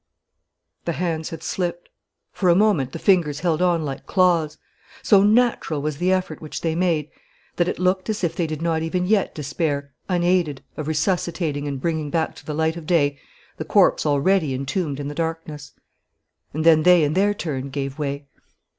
The hands had slipped. For a moment the fingers held on like claws. So natural was the effort which they made that it looked as if they did not even yet despair, unaided, of resuscitating and bringing back to the light of day the corpse already entombed in the darkness. And then they in their turn gave way.